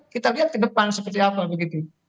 kita lihat ke depan seperti apa begitu